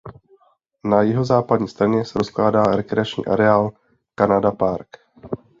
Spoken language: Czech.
Na jihozápadní straně se rozkládá rekreační areál Canada Park.